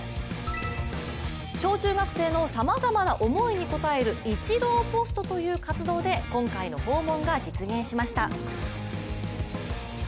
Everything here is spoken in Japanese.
小中学生のさまざまな思いに応えるイチローポストという活動で今回の訪問が実現しました。